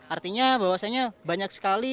artinya bahwasanya banyak sekali